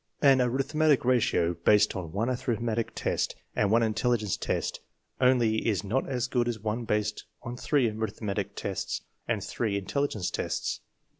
An Arithmetic Ratio based on one arithmetic test and one intelligence test only is not as good as one based on three arithmetic tests and three intelligence tests.